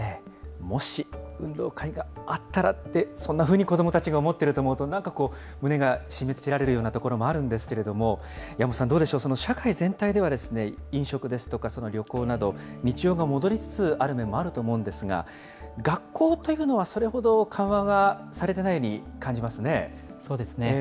もし、運動会があったらって、そんなふうに子どもたちが思っていると思うと、なんかこう、胸が締めつけられるようなところもあるんですけれども、山本さん、どうでしょう、社会全体では飲食ですとか旅行など、日常が戻りつつある面もあると思うんですが、学校というのは、それほど緩和はそうですね。